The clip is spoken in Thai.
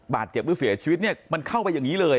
บาดเจ็บหรือเสียชีวิตเนี่ยมันเข้าไปอย่างนี้เลย